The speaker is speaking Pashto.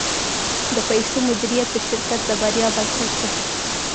د پیسو مدیریت د شرکت د بریا بنسټ دی.